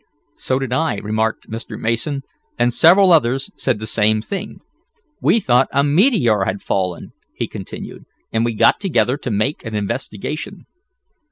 "So did I," remarked Mr. Mason, and several others said the same thing. "We thought a meteor had fallen," he continued, "and we got together to make an investigation."